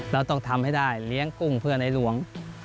เราต้องทำให้ได้เลี้ยงกุ้งเพื่อในหลวง